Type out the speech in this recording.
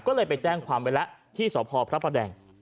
ก็เลยไปแจ้งความไว้แล้วที่สพพระประแดง